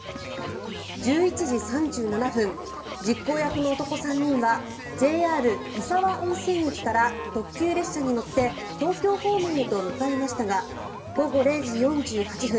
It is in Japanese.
１１時３７分実行役の男３人はＪＲ石和温泉駅から特急列車に乗って東京方面へと向かいましたが午後０時４８分